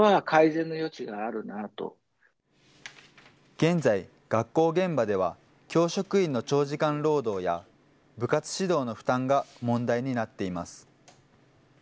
現在、学校現場では、教職員の長時間労働や、部活指導の負担が問題になっています。